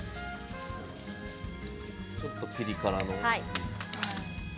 ちょっとピリ辛の風味。